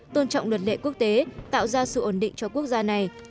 tôn trọng luật lệ quốc tế tạo ra sự ổn định cho quốc gia này